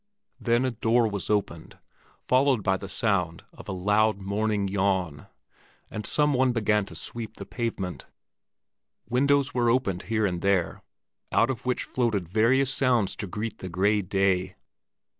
Then a door was opened, followed by the sound of a loud morning yawn; and someone began to sweep the pavement. Windows were opened here and there, out of which floated various sounds to greet the gray day.